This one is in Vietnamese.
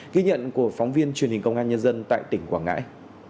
ghi nhận của phóng viên truyền hình công an nhân dân tại tỉnh quảng ngãi